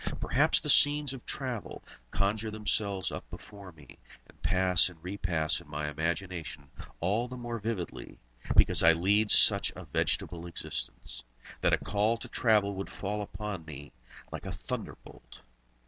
Perhaps the scenes of travel conjure themselves up before me, and pass and repass in my imagination all the more vividly, because I lead such a vegetable existence, that a call to travel would fall upon me like a thunderbolt.